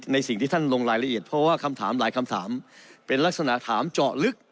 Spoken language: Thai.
สิ่งที่ท่านลงรายละเอียดเพราะว่าคำถามหลายคำถามเป็นลักษณะถามเจาะลึก